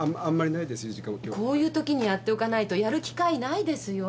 こういうときにやっておかないとやる機会ないですよ。